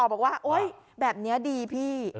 บอกว่าแบบนี้ดีพี่